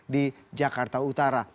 di jakarta utara